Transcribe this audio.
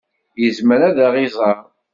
Yezmer ad ɣ-iẓer?